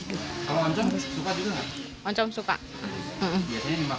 kalau oncom suka juga enggak